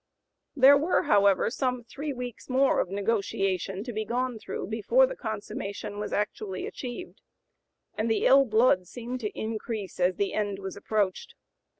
There were, however, some three weeks more of negotiation to be gone through before the consummation was actually achieved, and the ill blood seemed to increase as the end was approached.